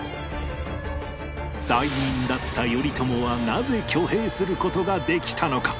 罪人だった頼朝はなぜ挙兵する事ができたのか？